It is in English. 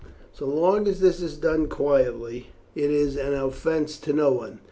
"So long as this is done quietly it is an offence to no one.